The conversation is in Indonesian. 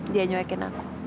dia nyoekin aku